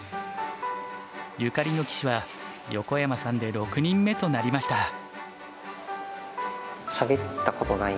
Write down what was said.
ゆかりの棋士は横山さんで６人目となりました。